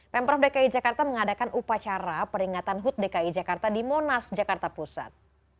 pemprov dki jakarta mengadakan upacara peringatan hud dki jakarta di monas jakarta pusat